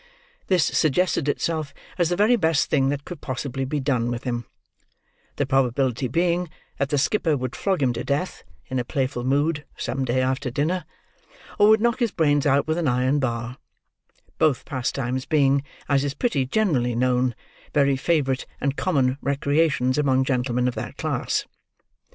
This suggested itself as the very best thing that could possibly be done with him: the probability being, that the skipper would flog him to death, in a playful mood, some day after dinner, or would knock his brains out with an iron bar; both pastimes being, as is pretty generally known, very favourite and common recreations among gentleman of that class.